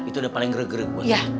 itu udah paling gre gre bu ranti